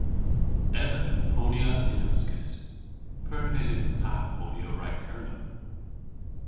Ev a yll ponya yn uskis. P'eur hyllydh ta ponya rag Kernow?